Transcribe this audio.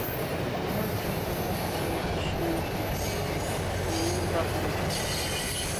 Màmá cák nâptə̄ tsə̂ cú mə̀bró nə̀ nɛ̌n cɑ̌k dʉ̀ vwá.